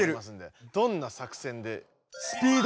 どんな作戦で？